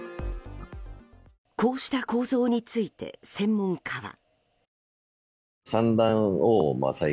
こうした構造について専門家は。